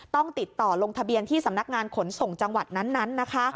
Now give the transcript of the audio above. ต้องติดต่อลงทะเบียนที่สำนักงานขนส่งจังหวัดนั้นนะคะ